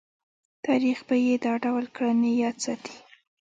تاریخ به یې دا ډول کړنې یاد ساتي.